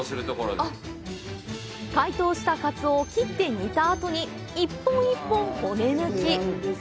解凍したかつおを切って煮たあとに一本一本骨抜き！